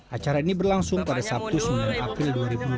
acara ini berlangsung pada sabtu sembilan april dua ribu dua puluh